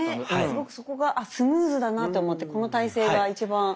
すごくそこがスムーズだなと思ってこの体勢が一番。